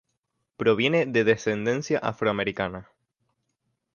Proviene de descendencia afroamericana.